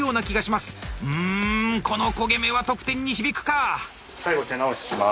うんこの焦げ目は得点に響くか。